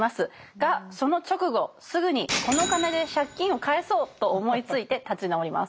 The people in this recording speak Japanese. がその直後すぐに「この金で借金を返そう！」と思いついて立ち直ります。